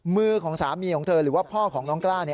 มือของสามีของเธอหรือว่าพ่อของน้องกล้า